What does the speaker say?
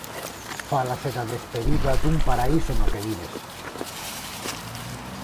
Fálase da despedida dun paraíso no que vives.